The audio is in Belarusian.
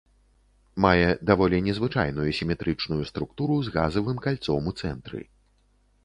Мае даволі незвычайную сіметрычную структуру з газавым кальцом у цэнтры.